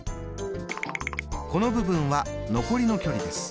この部分は残りの距離です。